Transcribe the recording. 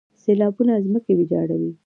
سیلابونه ځمکې ویجاړوي.